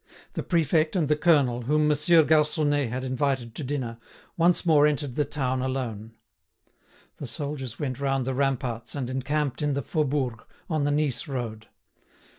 The prefect and the colonel, whom Monsieur Garconnet had invited to dinner, once more entered the town alone. The soldiers went round the ramparts and encamped in the Faubourg, on the Nice road.